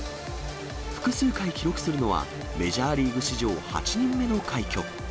複数回記録するのは、メジャーリーグ史上８人目の快挙。